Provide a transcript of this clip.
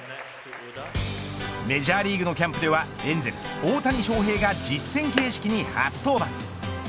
メジャーリーグのキャンプではエンゼルス大谷翔平が実戦形式に初登板。